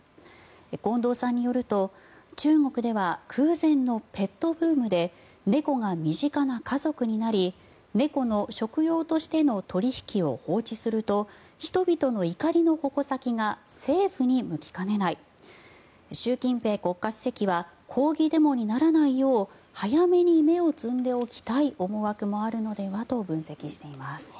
近藤さんによると中国では空前のペットブームで猫が身近な家族になり猫の食用としての取引を放置すると人々の怒りの矛先が政府に向きかねない習近平国家主席は抗議デモにならないよう早めに芽を摘んでおきたい思惑もあるのではと分析しています。